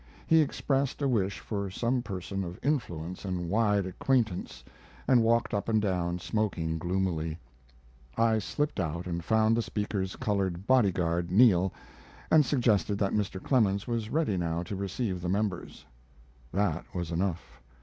He expressed a wish for some person of influence and wide acquaintance, and walked up and down, smoking gloomily. I slipped out and found the Speaker's colored body guard, Neal, and suggested that Mr. Clemens was ready now to receive the members. That was enough.